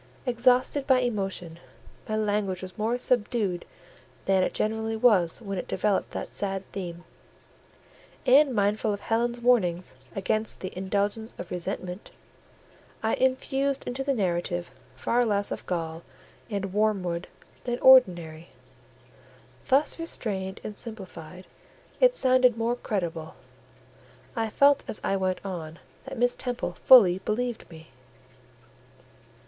Exhausted by emotion, my language was more subdued than it generally was when it developed that sad theme; and mindful of Helen's warnings against the indulgence of resentment, I infused into the narrative far less of gall and wormwood than ordinary. Thus restrained and simplified, it sounded more credible: I felt as I went on that Miss Temple fully believed me.